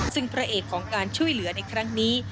ซึ่งพระเอกของการช่วยเหลือในครั้งนี้